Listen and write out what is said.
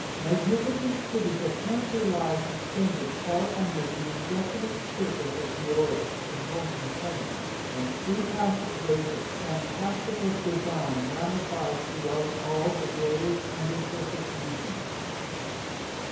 Magnificent cities apparently lie suspended far under the indefinite surface of the orbs composing Heaven, and free passage ways of phantastical design ramify throughout all the glorious under surface regions.